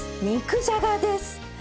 肉じゃがです。